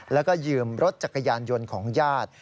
แล้วก็ยืมรถจักรยานยนต์ของญาติ